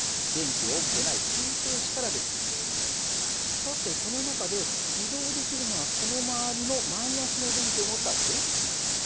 さてこの中で移動できるのはこの周りのの電気を持った電子なんだよ。